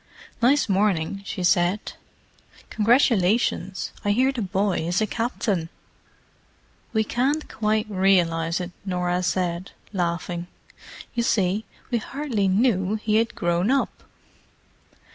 "Nice morning," she said. "Congratulations: I hear the boy is a Captain." "We can't quite realize it," Norah said, laughing. "You see, we hardly knew he had grown up!"